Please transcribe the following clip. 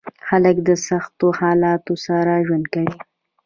خلک د سختو حالاتو سره ژوند کوي.